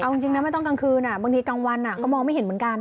เอาจริงนะไม่ต้องกลางคืนบางทีกลางวันก็มองไม่เห็นเหมือนกัน